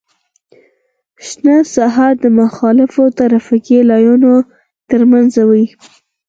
شنه ساحه د مخالفو ترافیکي لاینونو ترمنځ وي